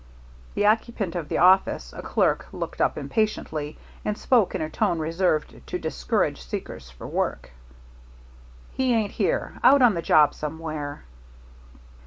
The occupant of the office, a clerk, looked up impatiently, and spoke in a tone reserved to discourage seekers for work. "He ain't here. Out on the job somewhere."